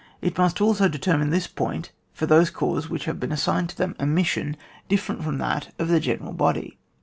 It must also determine this point for those corps which have assigned to them a mission different from that of the general body.